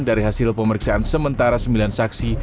dari hasil pemeriksaan sementara sembilan saksi